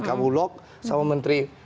kabu log sama menteri